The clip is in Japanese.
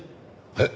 えっ？